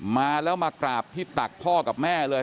มาแล้วมากราบที่ตักพ่อกับแม่เลย